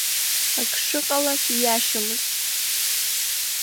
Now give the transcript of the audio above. Ак шыҟалаз ҩашьомызт.